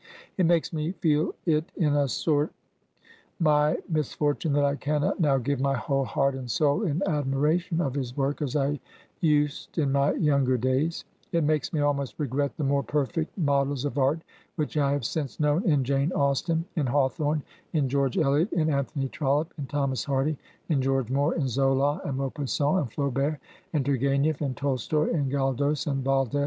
It makes me fed it in a sort my misfortune that I cannot now give my whole heart and soul in admiration of his work as I used in my younger days; it makes me almost regret the more perfect mod els of art which I have since known in Jane Austen, in Hawthorne, in George Eliot, in Anthony Trollope, in Thomas Hardy, in George Moore, in Zola and Mau passant and Flaubert, in Tourgu&iief and Tolstoy, in Gald6s and Valdfe.